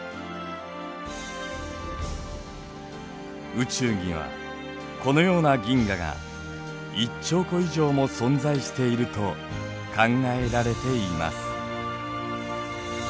宇宙にはこのような銀河が１兆個以上も存在していると考えられています。